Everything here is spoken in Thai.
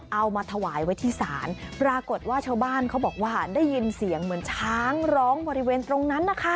เอามาถวายไว้ที่ศาลปรากฏว่าชาวบ้านเขาบอกว่าได้ยินเสียงเหมือนช้างร้องบริเวณตรงนั้นนะคะ